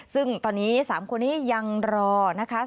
ซึ่งตอนนี้๓คนนี้ยังรอนะคะ